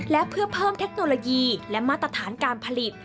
และเพื่อเพิ่มเทคโนโลยีและมาตรฐานการผลิต